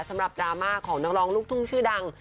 สำหรับดราม่าของน้องรองลูกทุ่งชื่อดัง